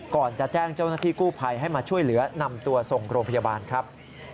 ก่อนจะแจ้งเจ้าหน้าที่กู้ภัยให้มาช่วยเหลือนำตัวส่งโรงพยาบาลครับ